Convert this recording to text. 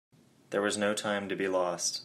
There was no time to be lost.